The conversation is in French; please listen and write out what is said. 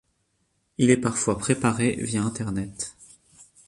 Il est parfois préparé via Internet.